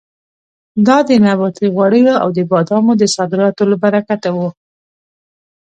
دا د نباتي غوړیو او د بادامو د صادراتو له برکته وه.